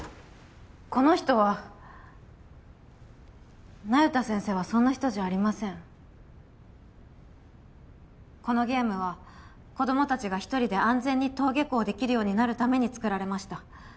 この人は那由他先生はそんな人じゃありませんこのゲームは子供達が一人で安全に登下校できるようになるために作られました